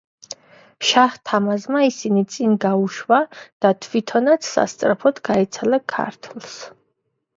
შაჰ-თამაზმა ისინი წინ გაუშვა და თვითონაც სასწრაფოდ გაეცალა ქართლს.